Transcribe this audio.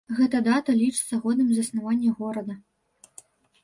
Гэта дата лічыцца годам заснавання горада.